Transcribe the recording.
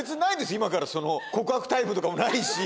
今から告白タイムとかもないし。